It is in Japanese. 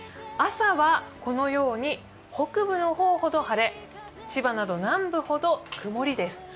朝はこのように北部の方ほど晴れ千葉など、南部ほど曇りです。